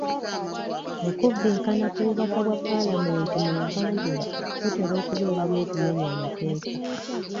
Okubbinkana ku bubaka bwa paalamenti mu buvanjuba kutera okubeeramu okumenya amateeka.